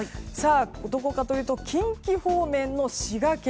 どこかというと近畿方面の滋賀県。